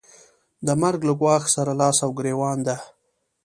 د مرګ له ګواښ سره لاس او ګرېوان ده.